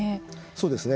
そうですね。